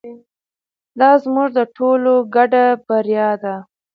دا زموږ د ټولو ګډه بریا ده.